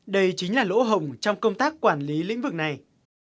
đây chính là lỗ hồng trong công tác quản lý lĩnh vực này